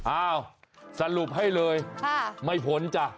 อ้าวสรุปให้เลยไม่ผลจ้ะ